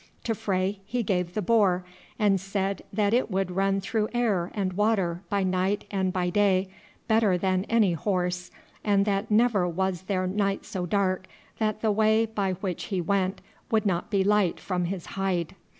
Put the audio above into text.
To Frey he gave the boar, and said that it would run through air and water, by night and by day, better than any horse, and that never was there night so dark that the way by which he went would not be light from his hide.